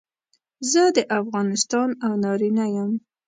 زه د افغانستان او نارینه یم.